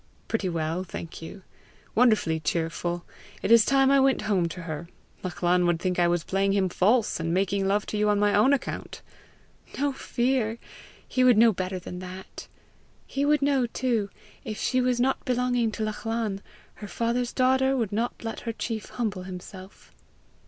"Pretty well, thank you wonderfully cheerful. It is time I went home to her. Lachlan would think I was playing him false, and making love to you on my own account!" "No fear! He would know better than that! He would know too, if she was not belonging to Lachlan, her father's daughter would not let her chief humble himself."